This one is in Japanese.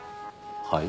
はい？